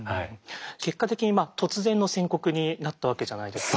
結果的に突然の宣告になったわけじゃないですか。